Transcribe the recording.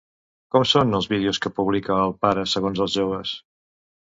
Com són els vídeos que publica el pare, segons els joves?